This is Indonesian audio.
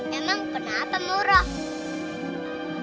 memang pernah penuh roh